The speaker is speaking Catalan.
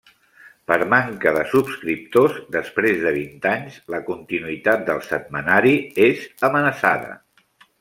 Per manca de subscriptors després de vint anys, la continuïtat del setmanari és amenaçada.